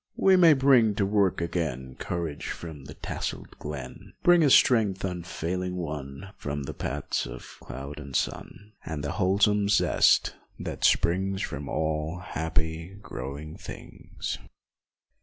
51 . We may bring to work again Courage from the tasselled glen, Bring a strength unfailing won From the paths of cloud and sun, And the wholesome zest that springs From all happy, growing things.